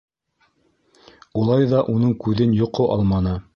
Улай ҙа уның күҙен йоҡо алманы.